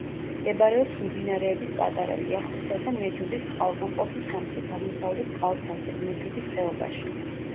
მდებარეობს მდინარეების პატარა ლიახვისა და მეჯუდის წყალგამყოფის სამხრეთ-აღმოსავლეთ კალთაზე, მეჯუდის ხეობაში.